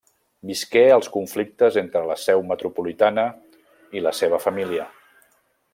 Visqué els conflictes entre la seu metropolitana i la seva família.